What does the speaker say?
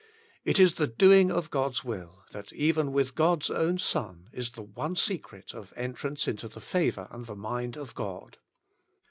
It is the doing of God's will, that even with God's own Son, is the one secret of entrance into the favour and the mind of God.